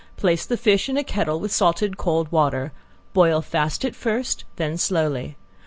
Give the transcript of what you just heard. Place the fish in a kettle with salted cold water; boil fast at first, then slowly.